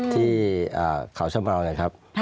ที่เขาชะเมานะครับ